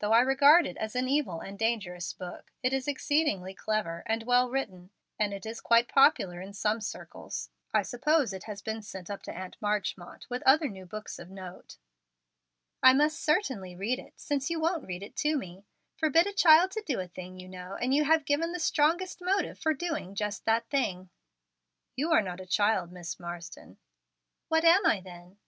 Though I regard it as an evil and dangerous book, it is exceedingly clever, and well written, and it is quite popular in some circles. I suppose it has been sent up to Aunt Marchmont with other new books of note." "I must certainly read it, since you won't read it to me. Forbid a child to do a thing, you know, and you have given the strongest motive for doing just that thing." "You are not a child, Miss Marsden." "What am I, then?"